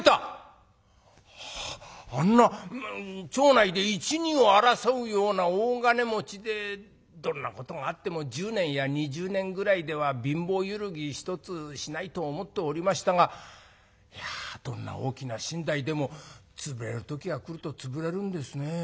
あんな町内で一二を争うような大金持ちでどんなことがあっても１０年や２０年ぐらいでは貧乏揺るぎ一つしないと思っておりましたがいやどんな大きな身代でも潰れる時が来ると潰れるんですね。